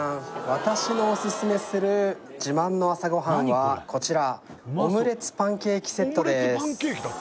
私のオススメする自慢の朝ごはんはこちらオムレツパンケーキセットです